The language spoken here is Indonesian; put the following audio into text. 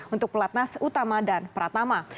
untuk pelatnas utama dan pratama